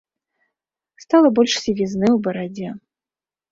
Стала больш сівізны ў барадзе.